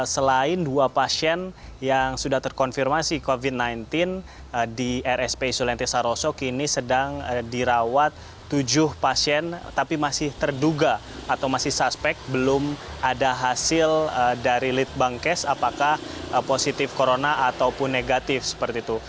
selain dua pasien yang sudah terkonfirmasi covid sembilan belas di rspi sulianti saroso kini sedang dirawat tujuh pasien tapi masih terduga atau masih suspek belum ada hasil dari litbangkes apakah positif corona ataupun negatif seperti itu